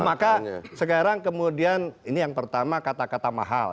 maka sekarang kemudian ini yang pertama kata kata mahal